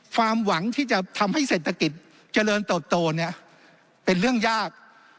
ความหวังที่จะทำให้เศรษฐกิจเจริญเติบโตเนี่ยเป็นเรื่องยาก